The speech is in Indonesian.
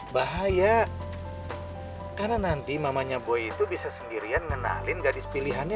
bahaya karena nanti mamanya boy itu bisa sendirian ngenalin gadis pilihannya